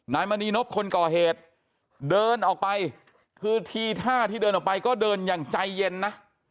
มณีนบคนก่อเหตุเดินออกไปคือทีท่าที่เดินออกไปก็เดินอย่างใจเย็นนะ